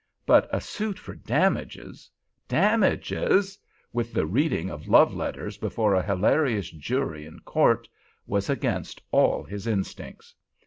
But a suit for damages!—damages!—with the reading of love letters before a hilarious jury and court, was against all his instincts.